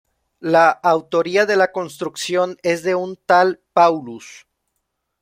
La autoría de la construcción es de un tal "Paulus".